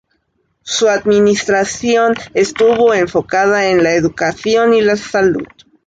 Su administración estuvo enfocado en la educación y la salud.